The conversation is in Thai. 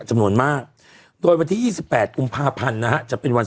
จำนวนมากโดยวันที่๒๘กุมภาพันธ์นะฮะจะเป็นวัน